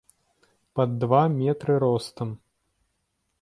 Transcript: Пад два метры ростам.